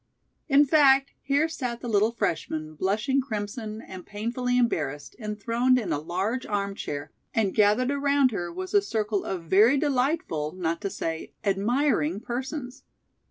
In fact, here sat the little freshman, blushing crimson and painfully embarrassed, enthroned in a large armchair, and gathered around her was a circle of very delightful, not to say, admiring persons.